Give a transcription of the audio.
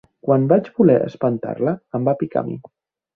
Quan vaig voler espantar-la em va picar a mi.